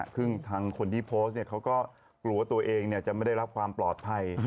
คือทางคนที่โพสต์เนี่ยเขาก็กลัวว่าตัวเองเนี่ยจะไม่ได้รับความปลอดภัย